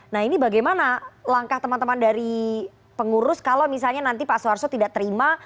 nah ini bagaimana langkah teman teman dari pengurus kalau misalnya nanti pak soeharto tidak terima